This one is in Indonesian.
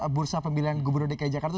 bursa pemilihan gubernur dki jakarta